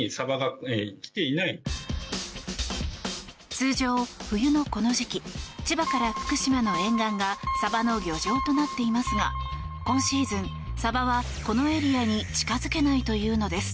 通常、冬のこの時期千葉から福島の沿岸がサバの漁場となっていますが今シーズンサバはこのエリアに近づけないというのです。